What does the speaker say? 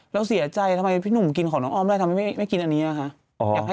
เราเสียใจทำไมพี่หนุ่มกินของน้องอ้อมได้ทำไมไม่กินอันนี้นะคะ